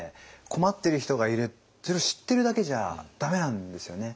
困ってる人がいるって知ってるだけじゃ駄目なんですよね。